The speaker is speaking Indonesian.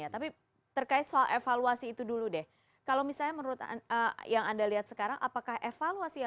terima kasih pak menteri